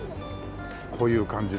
こういう感じで。